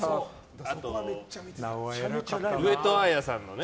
上戸彩さんのやつね。